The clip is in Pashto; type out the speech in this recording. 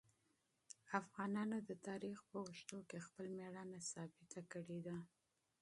افغانانو د تاریخ په اوږدو کې خپل مېړانه ثابته کړې ده.